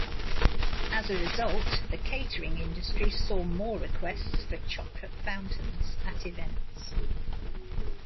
As a result, the catering industry saw more requests for chocolate fountains at events.